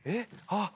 あっ。